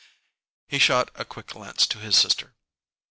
He shot a quick glance to his sister.